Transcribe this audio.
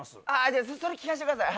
じゃあそれ聴かしてください